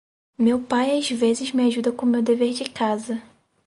Meu pai às vezes me ajuda com meu dever de casa.